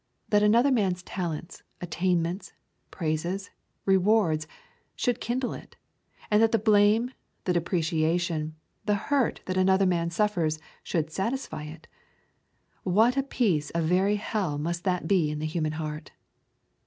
That another man's talents, attainments, praises, rewards should kindle it, and that the blame, the depreciation, the hurt that another man suffers should satisfy it, what a piece of very hell must that be in the human heart!